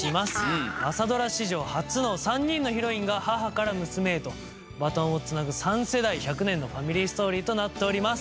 朝ドラ史上初の３人のヒロインが母から娘へとバトンをつなぐ３世代１００年のファミリーストーリーとなっております。